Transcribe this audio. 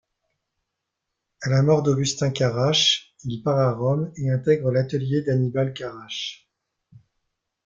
À la mort d'Augustin Carrache, il part à Rome et intègre l'atelier d'Annibal Carrache.